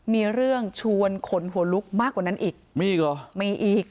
มีเรื่องชวนขนหัวลุกมากกว่านั้นอีกมีอีกเหรอมีอีก